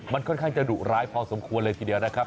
มันค่อนข้างจะดุร้ายพอสมควรเลยทีเดียวนะครับ